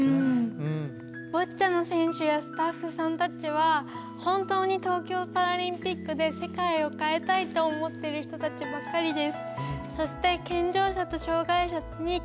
ボッチャの選手やスタッフさんたちは本当に東京パラリンピックで世界を変えたいと思ってる人たちばっかりです。